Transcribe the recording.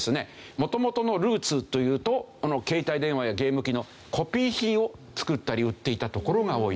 元々のルーツというと携帯電話やゲーム機のコピー品を作ったり売っていたところが多い。